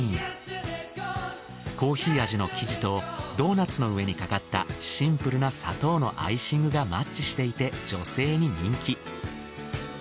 コーヒー味の生地とドーナツの上にかかったシンプルな砂糖のアイシングがマッチしていて女性に人気。